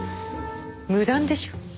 無断でしょ？